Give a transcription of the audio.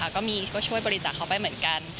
ก็มีก็ช่วยบริจาคเขาไปเหมือนกัน